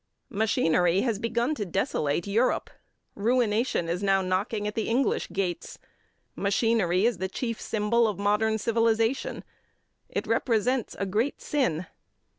Machinery has begun to desolate Europe. Ruination is now knocking at the English gates. Machinery is the chief symbol of modern civilization; it represents a great sin.